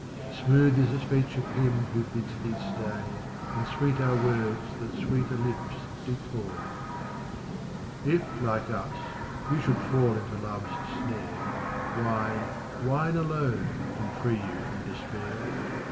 Smooth is the speech of him who bids thee stay, And sweet are words that sweeter lips decoy. 6 If, like us, you should fall into love's snare. Wine, wine alone can free you from despair.